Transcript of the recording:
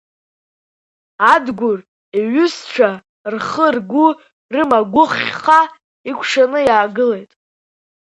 Адгәыр иҩызцәа, рхы-ргәы рымагәыхьха, икәшаны иаагылеит.